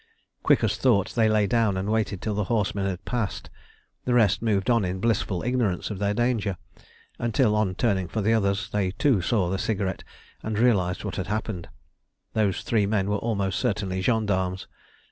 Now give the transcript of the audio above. Quick as thought they lay down and waited till the horsemen had passed; the rest moved on in blissful ignorance of their danger, until, on turning for the others, they too saw the cigarette and realised what had happened. Those three men were almost certainly gendarmes.